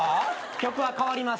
曲は替わります。